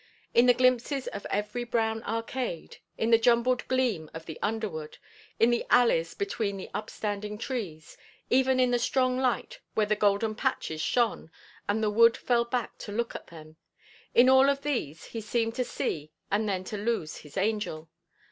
In the glimpses of every brown arcade, in the jumbled gleam of the underwood, in the alleys between the upstanding trees, even in the strong light where the golden patches shone, and the wood fell back to look at them, in all of these he seemed to see and then to lose his angel.